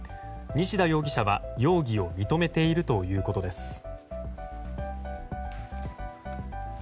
西田容疑者は容疑を認めているということです。